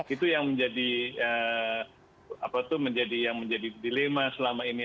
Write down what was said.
itu yang menjadi dilema selama ini